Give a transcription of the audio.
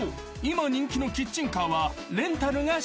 今人気のキッチンカーは］